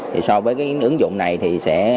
thì so với cái ứng dụng này thì sẽ